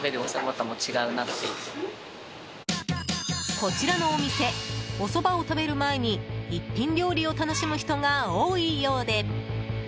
こちらのお店おそばを食べる前に一品料理を楽しむ人が多いようで。